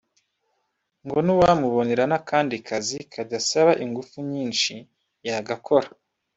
ngo n’uwamubonera n’akandi kazi kadasaba ingufu nyinshi yagakora